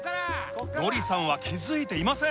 ノリさんは気付いていません。